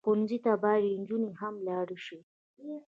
ښوونځی ته باید نجونې هم لاړې شي